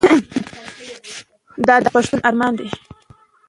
دا د هر پښتون ارمان دی.